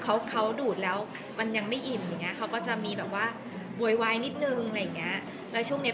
เอออยากให้แกอยากให้แกเห็นเป็นครั้งแรกอยากให้เห็นเลยอะไรอย่างนี้